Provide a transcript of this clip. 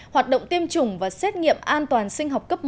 hoạt động tiêm chủng và xét nghiệm an toàn sinh học cấp một cấp hai